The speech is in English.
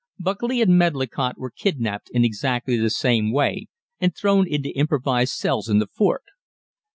Buckley and Medlicott were kidnapped in exactly the same way and thrown into improvised cells in the fort.